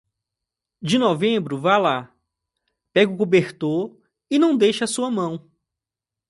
De novembro vá lá, pegue o cobertor e não deixe a sua mão.